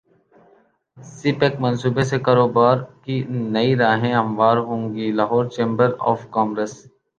سی pack منصوبے سے کاروبار کی نئی راہیں ہموار ہوں گی لاہور چیمبر اف کامرس